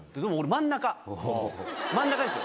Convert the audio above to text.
真ん中ですよ。